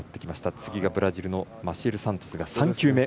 次がブラジルのマシエル・サントス、３球目。